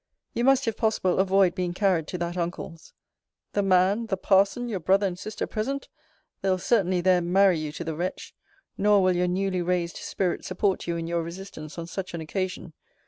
You must, if possible, avoid being carried to that uncle's. The man, the parson, your brother and sister present! They'll certainly there marry you to the wretch. Nor will your newly raised spirit support you in your resistance on such an occasion.